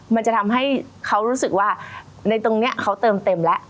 มันจะทำให้เขารู้สึกว่าในตรงนี้เขาเติมเต็มแล้ว